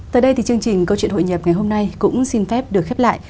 tới đây thì chương trình câu chuyện hội nhập ngày hôm nay cũng xin phép được khép lại